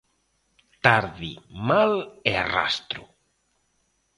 Tarde, mal e arrastro.